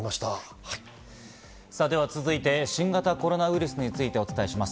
続いて新型コロナウイルスについてお伝えします。